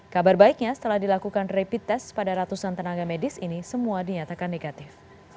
kabar baiknya setelah dilakukan rapid test pada ratusan tenaga medis ini semua dinyatakan negatif